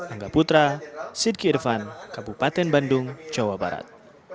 angga putra sidki irvan kabupaten bandung jawa barat